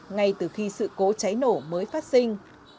ngay từ khi sự cố cháy nổ mới phát sinh